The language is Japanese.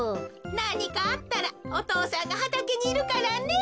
なにかあったらお父さんがはたけにいるからね。